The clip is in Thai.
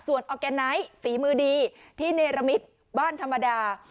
ส่วนฟีมือดีที่เนรมิตบ้านธรรมดา